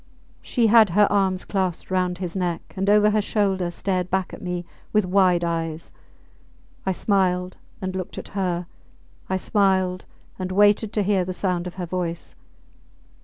She had her arms clasped round his neck, and over her shoulder stared back at me with wide eyes. I smiled and looked at her; I smiled and waited to hear the sound of her voice.